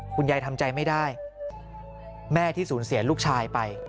คุณยายทำใจไม่ได้แม่ที่สูญเสียลูกชายไป